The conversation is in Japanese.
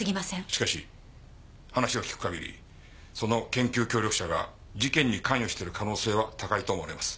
しかし話を聞く限りその研究協力者が事件に関与している可能性は高いと思われます。